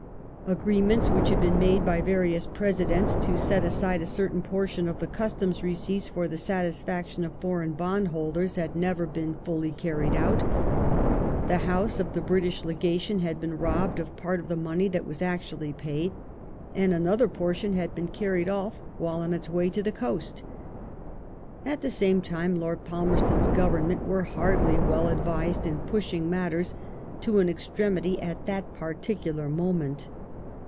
Agreements which had been made by various presidents to set aside a certain portion of the customs receipts for the satisfaction of foreign bondholders, had never been fully carried out ; the house of the British Legation had been robbed of part of the money that was actually paid, and another portion had been carried off while on its way to the coast. At the same time. Lord Palmer ston's Government were hardly well advised in pushing matters to an extremity at that particular moment.